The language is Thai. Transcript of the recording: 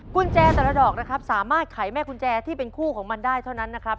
กุญแจแต่ละดอกนะครับสามารถไขแม่กุญแจที่เป็นคู่ของมันได้เท่านั้นนะครับ